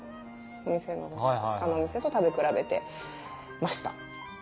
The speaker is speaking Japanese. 他のお店と食べ比べてました。